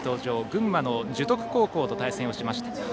群馬の樹徳高校と対戦をしました。